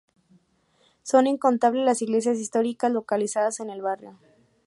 Son incontables las iglesias históricas localizadas en el barrio.